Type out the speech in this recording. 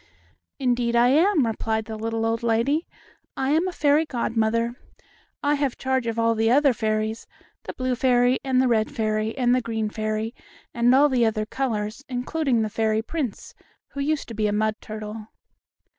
"Indeed I am," replied the little old lady. "I am a fairy godmother. I have charge of all the other fairies, the blue fairy and the red fairy and the green fairy, and all the other colors, including the fairy prince, who used to be a mud turtle."